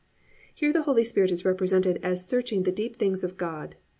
"+ Here the Holy Spirit is represented as searching the deep things of God.